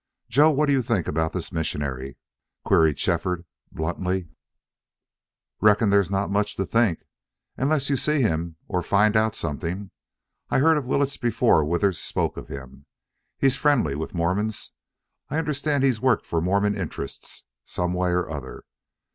"Joe, what do you think about this missionary?" queried Shefford, bluntly. "Reckon there's not much to think, unless you see him or find out something. I heard of Willetts before Withers spoke of him. He's friendly with Mormons. I understand he's worked for Mormon interests, someway or other.